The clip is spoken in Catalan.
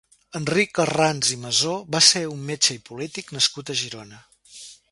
Enric Herranz i Masó va ser un metge i polític nascut a Girona.